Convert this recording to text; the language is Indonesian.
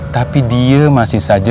tapi dia masih saja